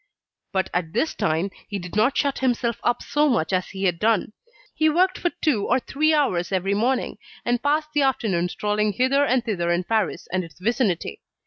But at this time, he did not shut himself up so much as he had done; he worked for two or three hours every morning and passed the afternoon strolling hither and thither in Paris and its vicinity.